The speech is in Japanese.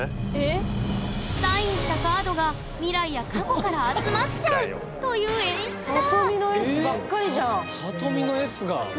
サインしたカードが未来や過去から集まっちゃうという演出だ